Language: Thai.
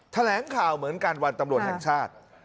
แถลงข่าวเหมือนกันวันตำรวจแห่งชาติ